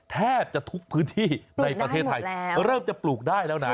แทบจะทุกพื้นที่ในประเทศไทยเริ่มจะปลูกได้แล้วนะ